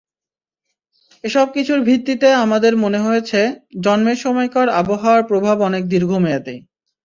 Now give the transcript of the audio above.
এসব কিছুর ভিত্তিতে আমাদের মনে হয়েছে, জন্মের সময়কার আবহাওয়ার প্রভাব অনেক দীর্ঘমেয়াদি।